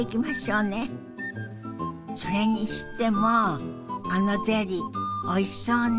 それにしてもあのゼリーおいしそうね。